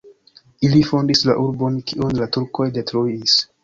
Ili fondis la urbon, kion la turkoj detruis.